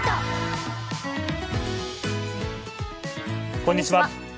こんにちは。